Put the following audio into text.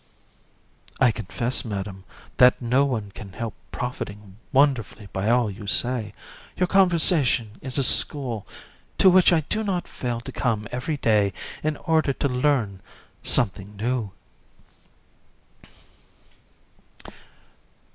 JU. I confess, Madam, that no one can help profiting wonderfully by all you say. Your conversation is a school, to which I do not fail to come every day in order to learn something new.